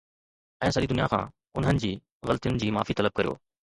۽ سڄي دنيا کان انهن جي غلطين جي معافي طلب ڪريو